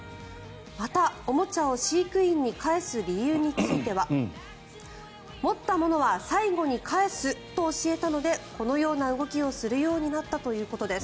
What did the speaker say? また、おもちゃを飼育員に返す理由については持ったものは最後に返すと教えたのでこのような動きをするようになったということです。